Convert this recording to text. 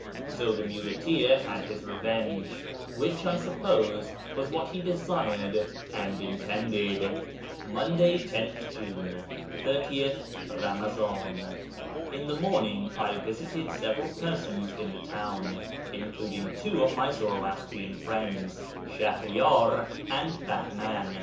So the muleteer had his revenge, which, I suppose, was what he desired and intended. Monday, IQth June, 30th Bamazdn. — In the morning I visited several persons in the town, including two of my Zoroastrian friends, Shahriyar and Bahman.